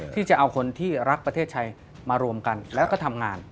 ที่จะเอาคนที่รักประเทศไทยมารวมกันแล้วก็ทำงาน